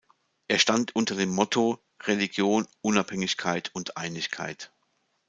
Er stand unter dem Motto: "Religion, Unabhängigkeit und Einigkeit".